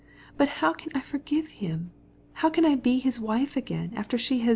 But how am I to forgive him, how am I to be his wife again after her?